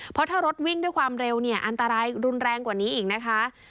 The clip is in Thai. เพราะถ้ารถวิ่งด้วยความเร็วเนี่ยอันตรายรุนแรงกว่านี้อีกนะคะ